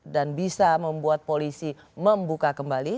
dan bisa membuat polisi membuka kembali